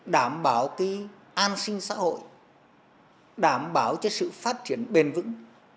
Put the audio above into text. đảm bảo cái an sinh xã hội đảm bảo cho sự phát triển bền vững